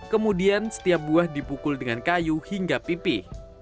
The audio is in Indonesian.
kemudian setiap buah dipukul dengan kayu hingga pipih